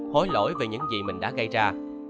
hối lỗi về những gì mình đã gây ra